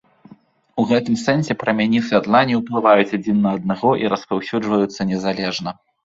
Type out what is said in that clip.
У гэтым сэнсе прамяні святла не ўплываюць адзін на аднаго і распаўсюджваюцца незалежна.